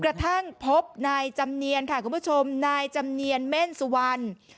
กระทั่งพบนายจำเนียนค่ะคุณผู้ชมนายจำเนียนเม่นสุวรรณ